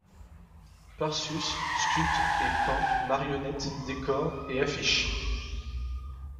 Parsus sculpte et peint marionnettes, décors et affiches.